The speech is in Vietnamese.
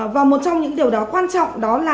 và một trong những điều đó quan trọng đó là